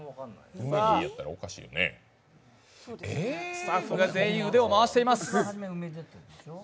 スタッフが全員腕を回しています。